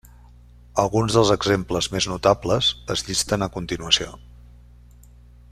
Alguns dels exemples més notables es llisten a continuació.